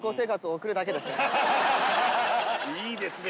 いいですね！